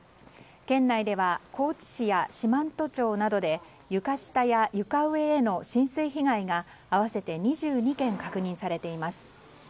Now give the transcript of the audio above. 県内では高知市や四万十町などで床下や床上への浸水被害が合わせて２２件確認されています。